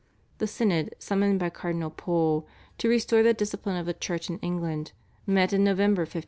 The synod summoned by Cardinal Pole to restore the discipline of the Church in England, met in November 1555.